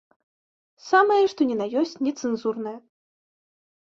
Самае што ні на ёсць нецэнзурнае.